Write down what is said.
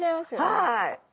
はい。